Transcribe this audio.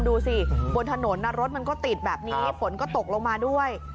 ดูสิบนถนนรถมันก็ติดแบบนี้ฝนก็ตกลงมาด้วย